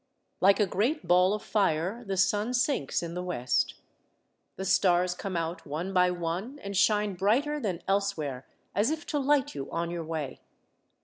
Like a great ball of fire the sun sinks in the west. The stars come out one by one and shine brighter than elsewhere as if to light you on your way.